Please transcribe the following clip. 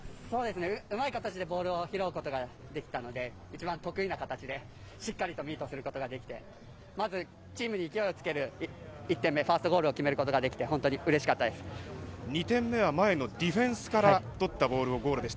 うまい形でボールを拾うことができたので一番得意な形でしっかりミートできてチームに勢いをつけるファーストゴールを決めることができてうれしかったです。